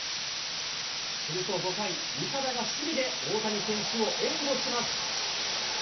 すると５回、味方が守備で大谷選手を援護します。